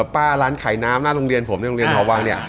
ร้านขายน้ำหน้าโรงเรียนผมในโรงเรียนหอวังเนี่ย